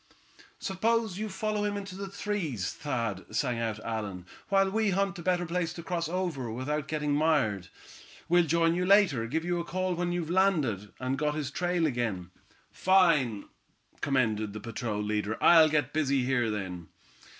"Suppose you follow him in the trees, Thad," sang out Allan, "while we hunt a better place to cross over without getting mired. We'll join you later. Give a call when you've landed, and got his trail again." "Fine," commended the patrol leader. "I'll get busy here then."